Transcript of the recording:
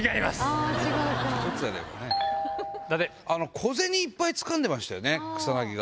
小銭いっぱいつかんでましたよね、草薙が。